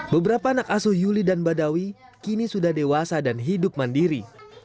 beberapa anak asuh yuli dan badawi kini sudah dewasa dan hidup mandiri